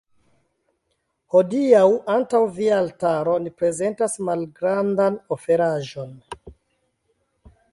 Hodiaǔ, antaǔ via altaro, ni prezentas malgrandan oferaĵon.